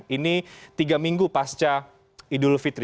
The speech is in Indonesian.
ini tiga minggu pasca idul fitri